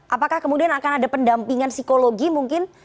apakah kemudian akan ada pendampingan psikologi mungkin